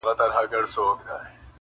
د خپلي مور پوړنی وړي د نن ورځي غازیان-